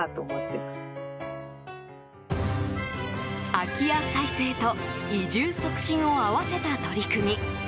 空き家再生と移住促進を併せた取り組み。